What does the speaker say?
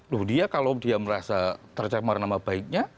loh dia kalau dia merasa tercemar nama baiknya